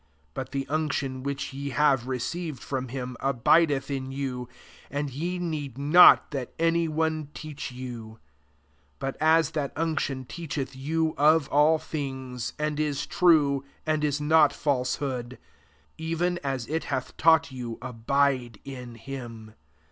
27 But the unction which ye have re ceived from himabideth in you, and ye need not that any one teach you : but as that unction teacheth you of all things, and is true, and is not falsehood, even as it hath taught you, abide in him.